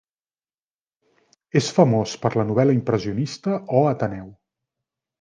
És famós per la novel·la impressionista "O Ateneu".